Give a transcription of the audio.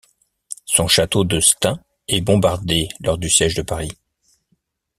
Son château de Stains est bombardé lors du Siège de Paris.